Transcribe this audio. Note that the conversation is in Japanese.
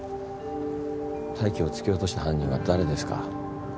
泰生を突き落とした犯人は誰ですか？